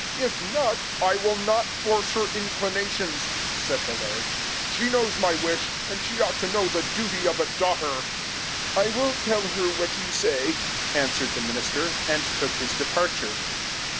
If not " "I will not force her inclinations," said the laird. "She knows my wish, and she ought to know the duty of a daughter." "I will tell her what you say," answered the minister, and took his departure.